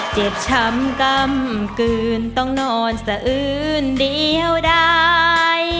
เจ็บช้ำกำกลืนต้องนอนสะอื้นเดียวได้